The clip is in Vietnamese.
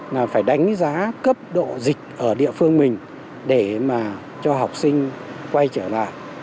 là phải đánh giá cấp độ dịch ở địa phương mình để mà cho học sinh quay trở lại